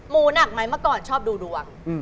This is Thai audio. ูหนักไหมเมื่อก่อนชอบดูดวง